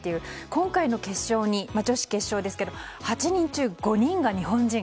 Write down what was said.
今回の決勝は女子決勝ですけども８人中５人が日本人。